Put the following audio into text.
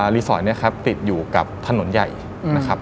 รีสอร์ทเนี่ยครับติดอยู่กับถนนใหญ่นะครับ